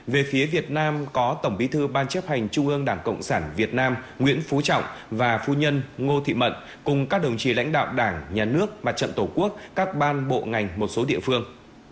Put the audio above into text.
về phía việt nam có tổng bí thư ban chấp hành trung ương đảng cộng sản việt nam nguyễn phú trọng và phu nhân ngô thị mận cùng các đồng chí lãnh đạo đảng nhà nước mặt trận tổ quốc các ban bộ ngành một số địa phương